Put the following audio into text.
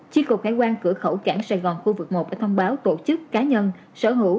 chi cục hải quan cửa khẩu cảng sài gòn khu vực một đã thông báo tổ chức cá nhân sở hữu